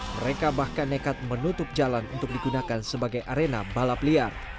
mereka bahkan nekat menutup jalan untuk digunakan sebagai arena balap liar